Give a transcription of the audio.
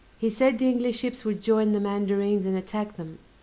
He said the English ships would join the mandarines and attack them.